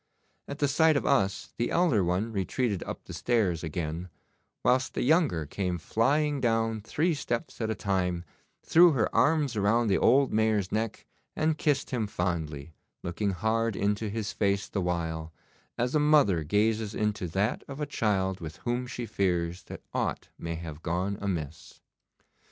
At the sight of us the elder one retreated up the stairs again, whilst the younger came flying down three steps at a time, threw her arms round the old Mayor's neck, and kissed him fondly, looking hard into his face the while, as a mother gazes into that of a child with whom she fears that aught may have gone amiss.